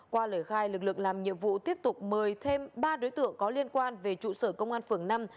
qua lời khai lực lượng làm nhiệm vụ tiếp tục mời thêm ba đối tượng có liên quan về trụ sở công an phường năm